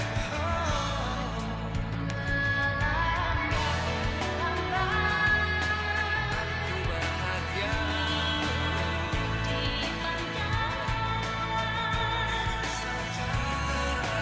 mewakili panglima angkatan bersenjata singapura